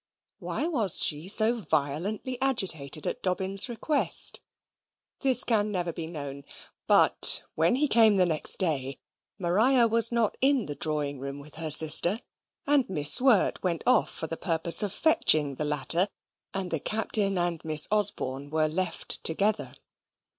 Why was she so violently agitated at Dobbin's request? This can never be known. But when he came the next day, Maria was not in the drawing room with her sister, and Miss Wirt went off for the purpose of fetching the latter, and the Captain and Miss Osborne were left together.